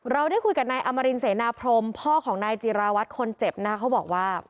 ได้คุยกับนายอมรินเสนาพรมพ่อของนายจิราวัตรคนเจ็บนะคะเขาบอกว่า